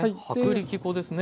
薄力粉ですね。